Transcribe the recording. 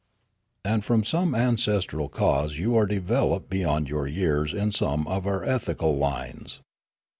" And from some ancestral cause you are developed beyond your years in some of our ethical lines.